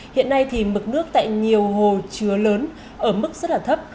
hiện nay thì mực nước tại nhiều hồ chứa lớn ở mức rất là thấp